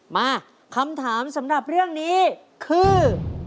มาคำถามสำหรับเรื่องนี้คือ